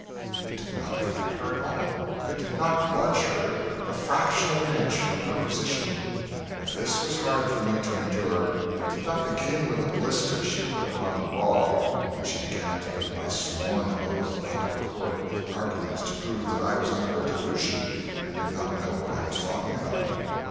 It did not affect her at all; it did not budge her the fraction of an inch from her position. If this was hard for me to endure, it did not begin with the blister she put upon the raw when she began to put my sworn oath out of court with arguments to prove that I was under a delusion and did not know what I was talking about.